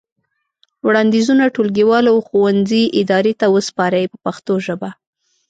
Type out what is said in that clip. وړاندیزونه ټولګیوالو او ښوونځي ادارې ته وسپارئ په پښتو ژبه.